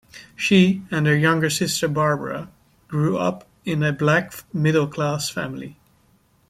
She and her younger sister Barbara grew up in a black middle-class family.